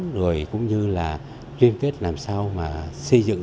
rồi cũng như là liên kết làm sao mà xây dựng